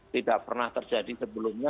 tidak pernah terjadi sebelumnya